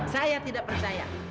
saya tidak percaya